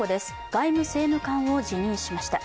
外務政務官を辞任しました。